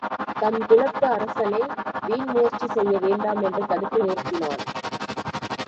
தம் குலத்து அரசரை வீண் முயற்சி செய்ய வேண்டாம் என்று தடுத்து நிறுத்தினான்.